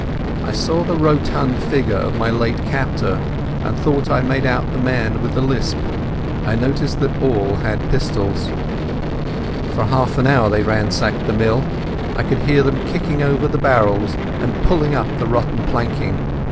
I saw the rotund figure of my late captor, and I thought I made out the man with the lisp. I noticed that all had pistols. For half an hour they ransacked the mill. I could hear them kicking over the barrels and pulling up the rotten planking.